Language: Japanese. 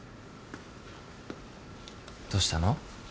どうしたの？